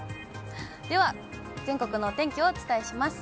では、全国のお天気をお伝えします。